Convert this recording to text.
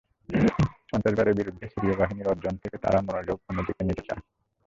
সন্ত্রাসবাদের বিরুদ্ধে সিরীয় বাহিনীর অর্জন থেকে তারা মনোযোগ অন্যদিকে নিতে চায়।